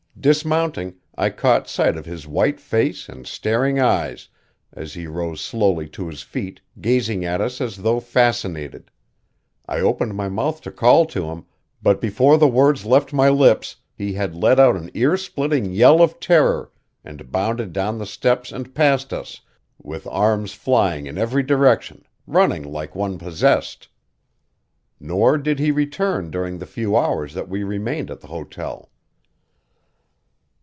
Dismounting, I caught sight of his white face and staring eyes as he rose slowly to his feet, gazing at us as though fascinated. I opened my mouth to call to him, but before the words left my lips he had let out an ear splitting yell of terror and bounded down the steps and past us, with arms flying in every direction, running like one possessed. Nor did he return during the few hours that we remained at the hotel.